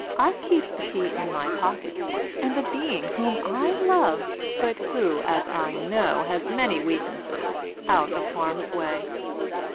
I keep the key in my pocket, and a being whom I love, but who, as I know, has many weak nesses, out of harm's way.